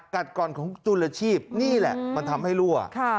ก่อนของจุลชีพนี่แหละมันทำให้รั่ว